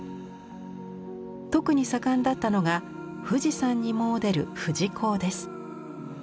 特に盛んだったのが富士山に詣でる「富士講」です。